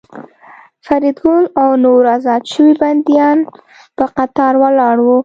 فریدګل او نور ازاد شوي بندیان په قطار ولاړ وو